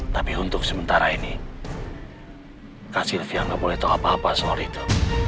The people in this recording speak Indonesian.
tapi untuk sementara ini kak sylvia nggak boleh tahu apa apa soal itu